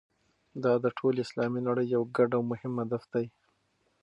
دا د ټولې اسلامي نړۍ یو ګډ او مهم هدف دی.